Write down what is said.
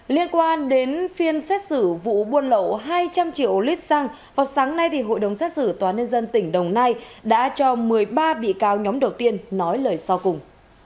liên quan đến phiên xét xử vụ buôn lậu hai trăm linh triệu lít xăng vào sáng nay thì hội đồng xét xử tnt đồng nai đã cho một mươi ba bị cáo nhóm đầu tiên nói lời sau cùng